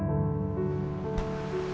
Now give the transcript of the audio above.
aduh kebentur lagi